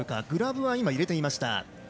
グラブは入れていました。